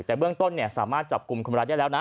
แต่เบื้องต้นสามารถจับกลุ่มคนร้ายได้แล้วนะ